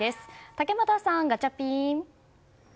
竹俣さん、ガチャピン。